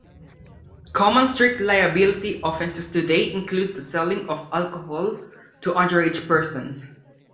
Common strict liability offenses today include the selling of alcohol to underage persons.